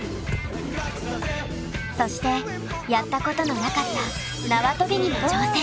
そしてやったことのなかったなわとびにも挑戦。